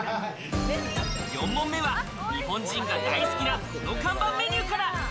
４問目は日本人が大好きな、この看板メニューから。